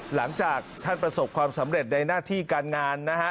หลังจากท่านประสบความสำเร็จในหน้าที่การงานนะฮะ